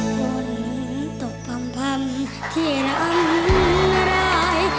ฝนตกพังพังที่ลำนาลาย